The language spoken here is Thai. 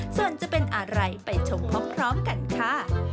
ส่วนจะเป็นอะไรไปชมพร้อมกันค่ะ